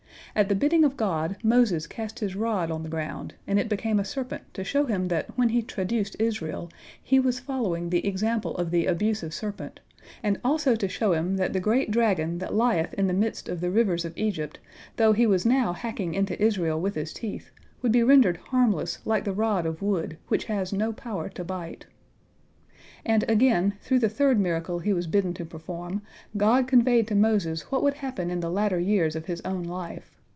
At the bidding of God, Moses cast his rod on the ground, and it became a serpent, to show him that when he traduced Israel, he was following the example of the abusive serpent, and also to show him that the great dragon that lieth in the midst of the rivers of Egypt, though he was now hacking into Israel with his teeth, would be rendered harmless like the rod of wood, which has no power to bite. And, again, through the third miracle he was bidden to perform, God conveyed to Moses what would happen in the latter years of his own life.